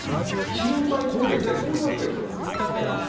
費用対効果、一体どうなっているのかということですね。